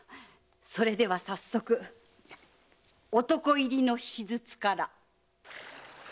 それでは早速お床入りの秘術から。